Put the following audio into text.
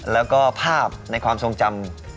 แล้วก็ภาพในความทรงจำ